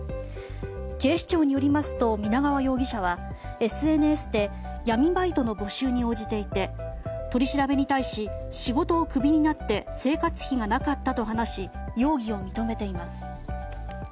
警視庁によりますと皆川容疑者はＳＮＳで闇バイトの募集に応じていて取り調べに対し仕事をクビになって生活費がなかったと話し容疑を認めています。